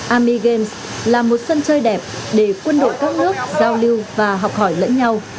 army games là một sân chơi đẹp để quân đội các nước giao lưu và học hỏi lẫn nhau